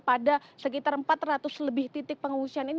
pada sekitar empat ratus lebih titik pengungsian ini